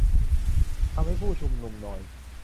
ทำให้ผู้ชุมนุมนอย